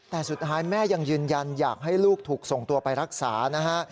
แต่สุดท้ายแม่ยังยืนยันอยากให้ลูกถูกส่งตัวไปรักษานะฮะ